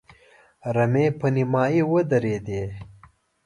رمې په نيمايي ودرېدې.